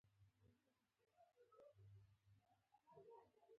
د خدای له لوري لومړنۍ وحي دا وه.